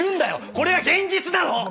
これが現実なの！